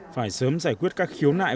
phải sớm giải quyết các khiếu nại